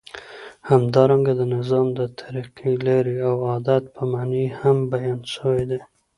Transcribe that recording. همدارنګه د نظام د طریقی، لاری او عادت په معنی هم بیان سوی دی.